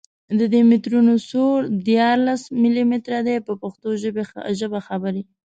د دي مترونو سور دیارلس ملي متره دی په پښتو ژبه خبرې.